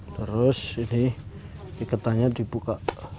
terus ini iketannya dibuka